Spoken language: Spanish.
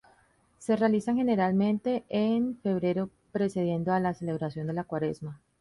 Se realizan generalmente en febrero precediendo a la celebración de la Cuaresma.